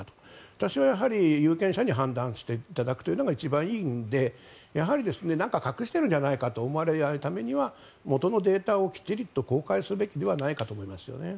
私は有権者に判断していただくのが一番いいのでやはり何かを隠しているんじゃないかと思われないためには元のデータをきちんと公開すべきではないかと思いますよね。